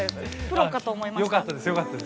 プロかと思いました。